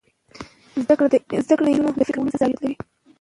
زده کړه د نجونو د فکر کولو زاویه بدلوي.